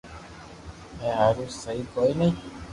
اي ھارو سھي ڪوئي ني